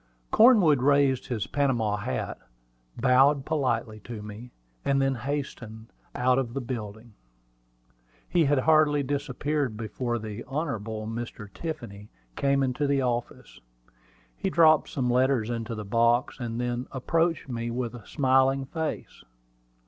Cornwood raised his Panama hat, bowed politely to me, and then hastened out of the building. He had hardly disappeared before the Hon. Mr. Tiffany came into the office. He dropped some letters into the box, and then approached me with a smiling face.